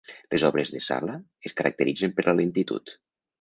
Les obres de Sala es caracteritzen per la lentitud.